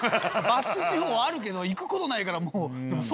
バスク地方はあるけど行くことないから。